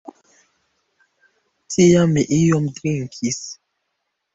Tiam mi iom drinkis.